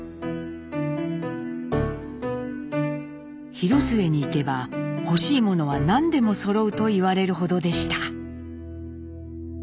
「広末に行けば欲しい物は何でもそろう」と言われるほどでした。